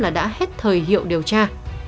là đã hết thời hiệu điều tra